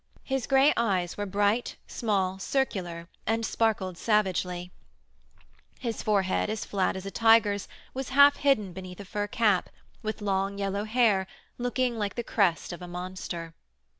His gray eyes were bright, small, circular, and sparkled savagely; his forehead, as flat as a tiger's, was half hidden beneath a fur cap, with long yellow hair, looking like the crest of a monster.